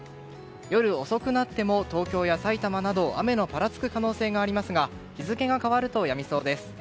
夜遅くなっても東京やさいたまなど雨のぱらつく可能性がありますが日付が変わるとやみそうです。